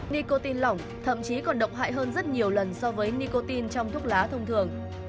nicotine lỏng thậm chí còn động hại hơn rất nhiều lần so với nicotine trong thuốc lá thông thường